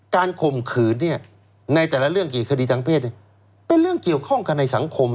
ข่มขืนเนี่ยในแต่ละเรื่องกี่คดีทางเพศเป็นเรื่องเกี่ยวข้องกันในสังคม